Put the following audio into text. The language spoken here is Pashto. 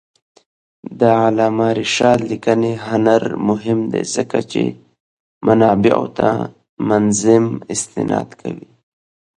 د علامه رشاد لیکنی هنر مهم دی ځکه چې منابعو ته منظم استناد کوي.